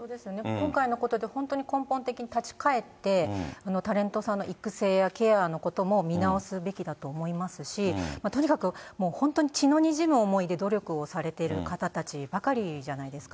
今回のことで本当に、根本的に立ち返って、タレントさんの育成やケアのことも見直すべきだと思いますし、とにかくもう本当に血のにじむ思いで努力をされている方たちばかりじゃないですか。